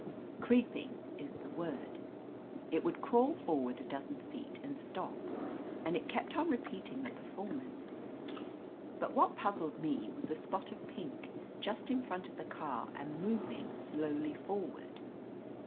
Creeping is the word. It would crawl forward a dozen feet and stop, and it kept on repeating the perform ance. But what puzzled me was a spot of pink, just in front of the car and moving slowly forward.